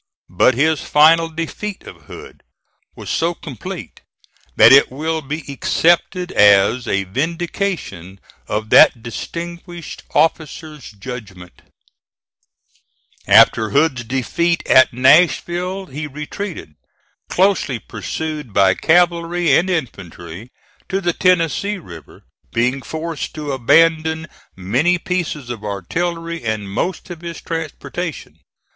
But his final defeat of Hood was so complete, that it will be accepted as a vindication of that distinguished officer's judgment. After Hood's defeat at Nashville he retreated, closely pursued by cavalry and infantry, to the Tennessee River, being forced to abandon many pieces of artillery and most of his transportation.